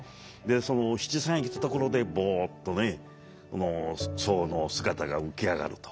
七三へ来たところでぼっとねこの僧の姿が浮き上がると。